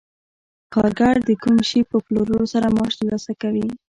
کارګر د کوم شي په پلورلو سره معاش ترلاسه کوي